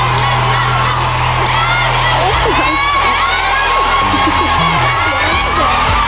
เตาแล้วเปล่าแล้ว